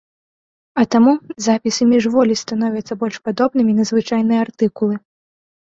А таму запісы міжволі становяцца больш падобнымі на звычайныя артыкулы.